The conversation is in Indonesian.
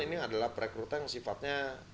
ini adalah perekrutan yang sifatnya